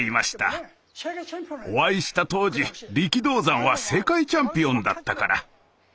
お会いした当時力道山は世界チャンピオンだったから。